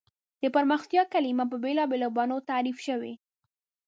د پرمختیا کلیمه په بېلابېلو بڼو تعریف شوې.